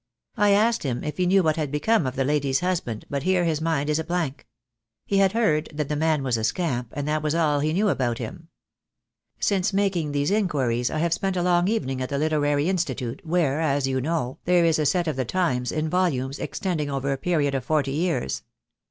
"I asked him if he knew what had become of the lady's husband, but here his mind is a blank. He had heard that the man was a scamp, and that was all he knew about him. "Since making these inquiries I have spent a long evening at the Literary Institute, where, as you know, 24O THE DAY WILL COME. there is a set of the Times , in volumes, extending over a period of forty years.